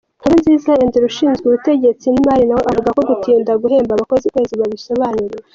Nkurunziza Andrew, ushinzwe ubutegetsi n’imari nawe avuga ko gutinda guhemba abakozi ukwezi babisobanuriwe.